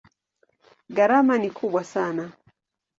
Gharama ni kubwa sana.